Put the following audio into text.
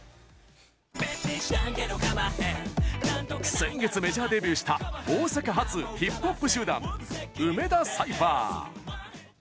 先月、メジャーデビューした大阪発ヒップホップ集団「梅田サイファー」。